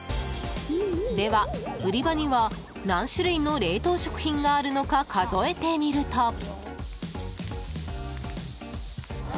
では、売り場には何種類の冷凍食品があるのか数えてみると。